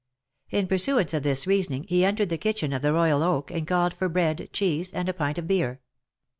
In pursuance of this reasoning, he entered the kitchen of the Royal Oak, and called for bread, cheese, and a pint of beer.